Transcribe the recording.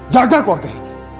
jaga keluarga ini